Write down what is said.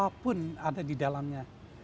apapun ada di dalamnya